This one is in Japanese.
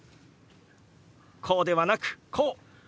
こうではなくこう。